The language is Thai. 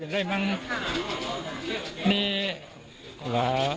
แล้ว